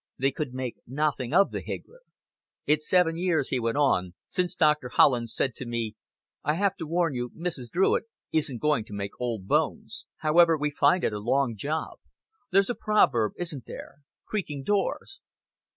'" They could make nothing of the higgler. "It's seven years," he went on, "since Doctor Hollin said to me, 'I have to warn you Mrs. Druitt isn't going to make old bones.' However, we find it a long job. There's a proverb, isn't there? Creaking doors!"